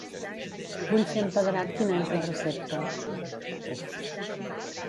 Vull fer empedrat quina és la recepta.